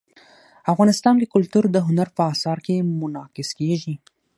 افغانستان کې کلتور د هنر په اثار کې منعکس کېږي.